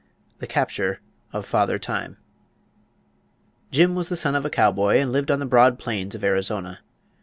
THE CAPTURE OF FATHER TIME Jim was the son of a cowboy, and lived on the broad plains of Arizona.